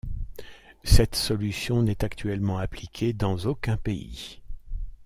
Cette solution n'est actuellement appliquée dans aucun pays.